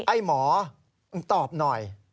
ไอ้หมอมึงตอบหน่อย